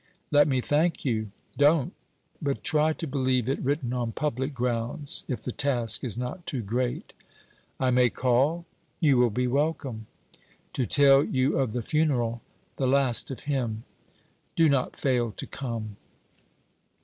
'Let me thank you.' 'Don't. But try to believe it written on public grounds if the task is not too great.' 'I may call?' 'You will be welcome.' 'To tell you of the funeral the last of him.' 'Do not fail to come.'